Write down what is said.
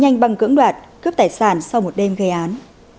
nhanh bằng cưỡng đoạt cướp tài sản sau một đêm gây án